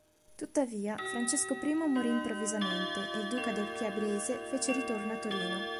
Tuttavia, Francesco I morì improvvisamente e il duca del Chiablese fece ritorno a Torino.